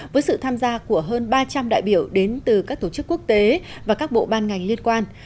với sự tham gia của hơn ba trăm linh đại biểu đến từ các tổ chức quốc tế và các bộ ban ngành liên quan